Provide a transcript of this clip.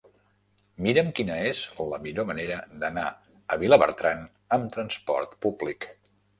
Mira'm quina és la millor manera d'anar a Vilabertran amb trasport públic.